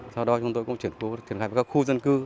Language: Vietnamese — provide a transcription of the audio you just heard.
sau đó chúng tôi cũng chuyển khu chuyển khai với các khu dân cư